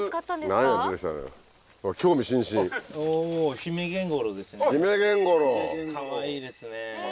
かわいいですね。